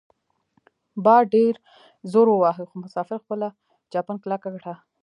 باد ډیر زور وواهه خو مسافر خپله چپن کلکه کړه.